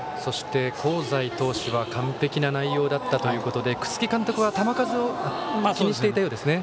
香西投手は完璧な内容だったということで楠城監督は球数を気にしていたようですね。